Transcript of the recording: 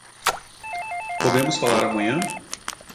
Podemos falar amanhã?